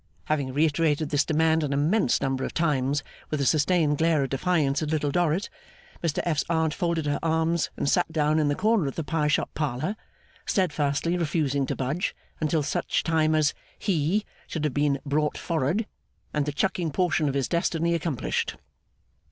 Having reiterated this demand an immense number of times, with a sustained glare of defiance at Little Dorrit, Mr F.'s Aunt folded her arms, and sat down in the corner of the pie shop parlour; steadfastly refusing to budge until such time as 'he' should have been 'brought for'ard,' and the chucking portion of his destiny accomplished.